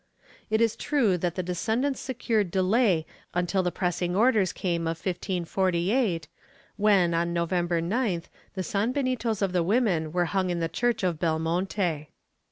It is true that the descend ants secured delay until the pressing orders came of 1548, when, on November 9th the sanbenitos of the women were hung in the church of Belmonte.